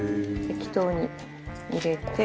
適当に入れて。